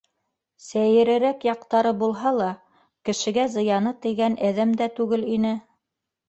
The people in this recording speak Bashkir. Сәйерерәк яҡтары булһа ла, кешегә зыяны тейгән әҙәм дә түгел ине...